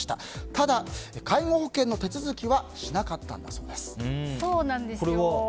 ただ、介護保険の手続きはしなかったそうです。